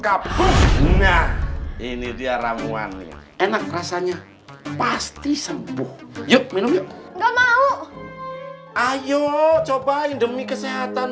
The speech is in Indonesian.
kabut nah ini dia ramuan enak rasanya pasti sembuh yuk minum ayo cobain demi kesehatan